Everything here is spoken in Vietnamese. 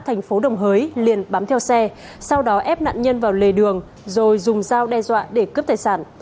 thành phố đồng hới liền bám theo xe sau đó ép nạn nhân vào lề đường rồi dùng dao đe dọa để cướp tài sản